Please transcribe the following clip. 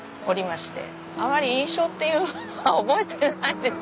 あまり印象っていうのは覚えてないです。